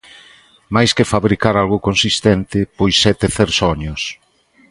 Máis que fabricar algo consistente pois é tecer soños.